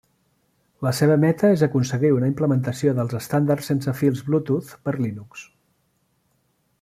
La seva meta és aconseguir una implementació dels estàndards sense fils Bluetooth per Linux.